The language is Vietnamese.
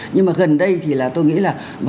nhưng mà gần đây thì là tôi nghĩ là